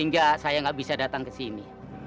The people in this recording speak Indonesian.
ngapain kamu disini